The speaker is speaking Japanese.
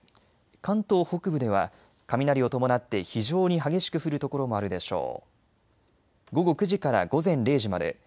関東北部では雷を伴って非常に激しく降る所もあるでしょう。